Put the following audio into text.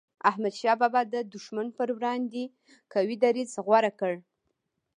احمد شاه بابا د دښمن پر وړاندي قوي دریځ غوره کړ.